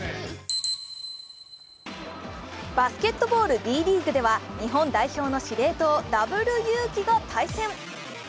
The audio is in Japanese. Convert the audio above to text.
バスケットボールＢリーグでは日本代表の司令塔、ダブルユウキが対戦。